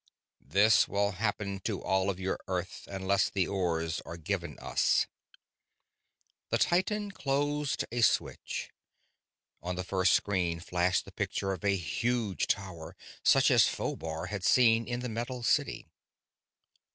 "This will happen to all of your Earth unless the ores are given us." The titan closed a switch. On the first screen flashed the picture of a huge tower such as Phobar had seen in the metal city.